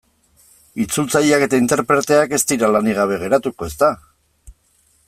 Itzultzaileak eta interpreteak ez dira lanik gabe geratuko, ezta?